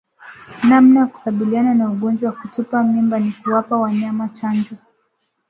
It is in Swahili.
Namna ya kukabiliana na ugonjwa wa kutupa mimba ni kuwapa wanyama chanjo